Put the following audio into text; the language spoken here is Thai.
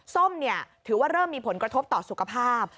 ส้มถือว่าเริ่มมีผลกระทบต่อสุขภาพ